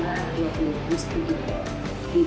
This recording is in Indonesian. harganya di rumah dua puluh sepuluh sepuluh dolar